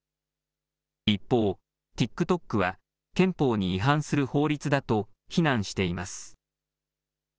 一方、ＴｉｋＴｏｋは憲法に違反する法律だと非難しています。